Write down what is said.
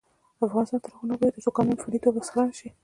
افغانستان تر هغو نه ابادیږي، ترڅو کانونه په فني توګه استخراج نشي.